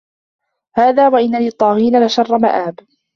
هذا وَإِنَّ لِلطّاغينَ لَشَرَّ مَآبٍ